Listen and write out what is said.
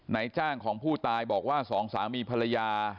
ในจ้างของผู้ตายบอกว่าสองสามีภรรยา